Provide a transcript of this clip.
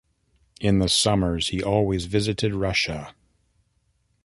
In the summers he always visited Russia.